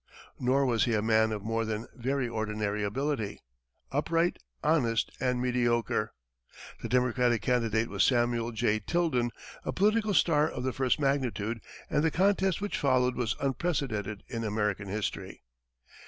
Nor was he a man of more than very ordinary ability, upright, honest, and mediocre. The Democratic candidate was Samuel J. Tilden, a political star of the first magnitude, and the contest which followed was unprecedented in American history.